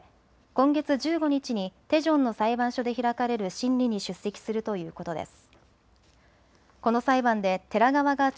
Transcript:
今月１５日にテジョンの裁判所で開かれる審理に出席するということです。